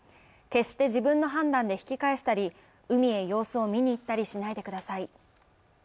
決して自分の判断で引き返したり、海へ様子を見に行ったりしないでください。